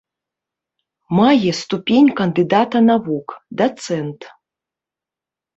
Мае ступень кандыдата навук, дацэнт.